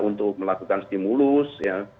untuk melakukan stimulus